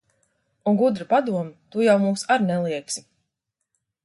Un gudra padoma tu jau mums ar neliegsi.